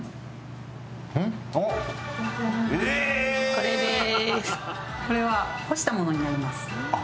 これです。